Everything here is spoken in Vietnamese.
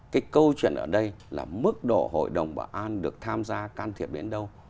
cái câu chuyện ở đây là mức độ hội đồng bảo an được tham gia can thiệp đến đâu